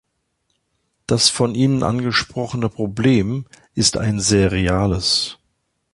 Das von Ihnen angesprochene Problem ist ein sehr reales.